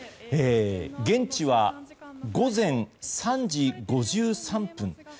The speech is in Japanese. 現地は午前３時５３分。